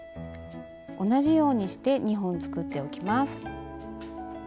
同じようにして２本作っておきます。